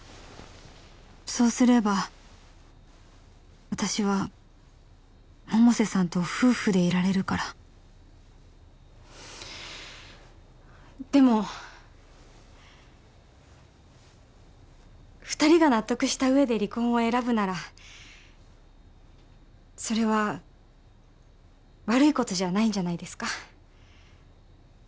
そうすれば私は百瀬さんと夫婦でいられるからでも二人が納得した上で離婚を選ぶならそれは悪いことじゃないんじゃないですか